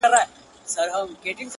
نه- نه! اور د ژوندانه سي موږ ساتلای-